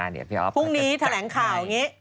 พรุ่งนี้แถลงข่าวอย่างนี้